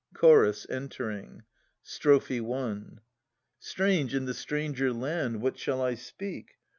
Chorus {entering). Strophe I. Strange in the stranger land, What shall I speak